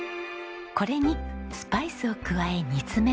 これにスパイスを加え煮詰めます。